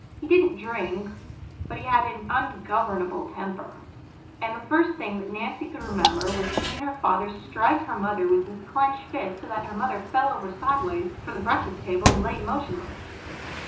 He didn't drink, but he had an ungovernable temper, and the first thing that Nancy could remember was seeing her father strike her mother with his clenched fist so that her mother fell over sideways from the breakfast table and lay motionless.